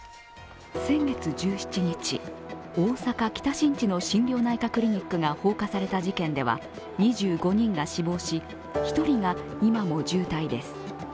先月１７日、大阪・北新地の心療内科クリニックが放火された事件では２５人が死亡し、１人が今も重体です。